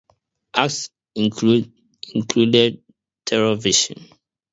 Acts included Terrorvision.